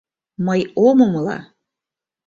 Мый ом умыло.